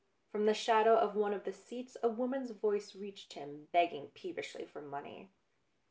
From the shadow of one of the seats a woman's voice reached him, begging peevishly for money.